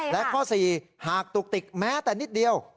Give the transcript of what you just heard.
และข้อ๔หากตุกติกแม้แต่นิดเดียว